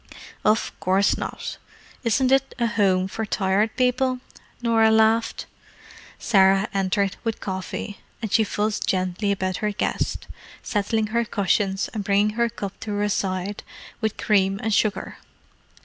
"Of course not—isn't it a Home for Tired People?" Norah laughed. Sarah entered with coffee, and she fussed gently about her guest, settling her cushions and bringing her cup to her side with cream and sugar.